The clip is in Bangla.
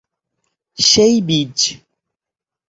সেই বীজ।